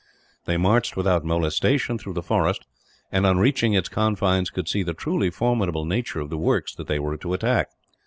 They marched without molestation through the forest and, on reaching its confines, could see the truly formidable nature of the works that they were to attack.